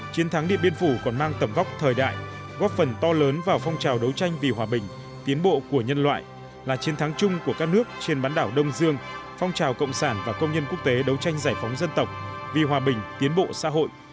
chiến thắng điện biên phủ còn mang tầm góc thời đại góp phần to lớn vào phong trào đấu tranh vì hòa bình tiến bộ của nhân loại là chiến thắng chung của các nước trên bán đảo đông dương phong trào cộng sản và công nhân quốc tế đấu tranh giải phóng dân tộc vì hòa bình tiến bộ xã hội